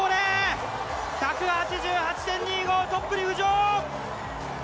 １８８．２５、トップに浮上！